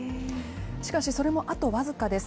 しかし、それもあと僅かです。